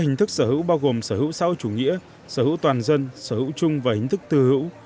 hình thức sở hữu bao gồm sở hữu sau chủ nghĩa sở hữu toàn dân sở hữu chung và hình thức tư hữu